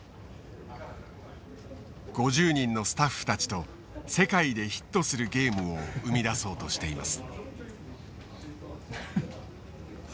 ５０人のスタッフたちと世界でヒットするゲームを生み出そうとしています。